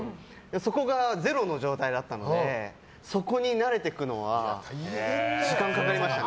そこがゼロの状態だったのでそこに慣れていくのは時間かかりましたね。